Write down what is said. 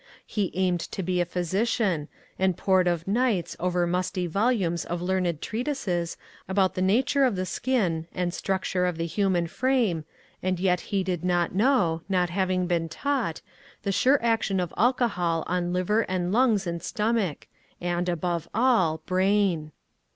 He aimed to be a physician, and pored of nights over musty volumes of learned treatises about the nature of the skin and structure of the human frame, and yet he did not know, not having been taught, tin; sure action of alcohol on liver and lungs and stomach, and, above all, brain.